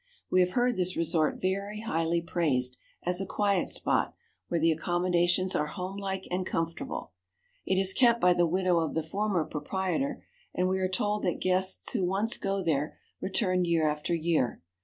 We have heard this resort very highly praised as a quiet spot, where the accommodations are homelike and comfortable. It is kept by the widow of the former proprietor; and we are told that guests who once go there return year after year.